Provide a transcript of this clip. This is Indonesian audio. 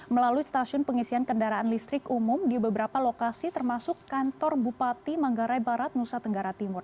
melalui stasiun pengisian kendaraan listrik umum di beberapa lokasi termasuk kantor bupati manggarai barat nusa tenggara timur